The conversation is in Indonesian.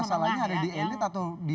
masalahnya ada di elit atau di